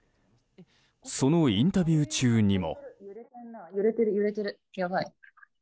そのインタビュー中にも。